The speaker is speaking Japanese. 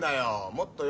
もっとよ